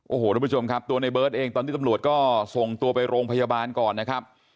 โอ้โหทุกผู้ชมครับตัวในเบิร์ตเองตอนนี้ตำรวจก็ส่งตัวไปโรงพยาบาลก่อนนะครับ